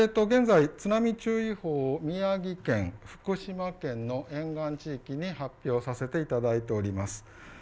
現在、津波注意報を宮城県、福島県の沿岸地域に発表しています。